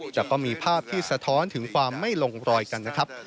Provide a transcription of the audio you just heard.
แต่ก็มีภาพที่สะท้อนถึงความไม่ลงรอยกันนะครับ